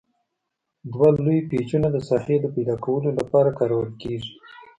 دوه لوی پیچونه د ساحې د پیداکولو لپاره کارول کیږي.